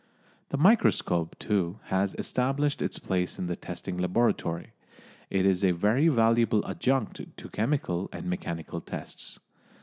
The microscope, too, has established its place in the testing laboratory. It is a very valuable adjunct to chemical and mechanical tests.